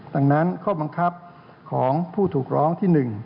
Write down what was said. ดังนั้นข้อบังคับของผู้ถูกร้องที่๑